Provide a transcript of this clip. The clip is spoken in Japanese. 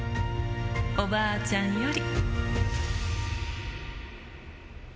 おばあちゃんより。